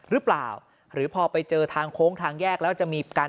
หรือเปล่าหรือพอไปเจอทางโค้งทางแยกแล้วจะมีการ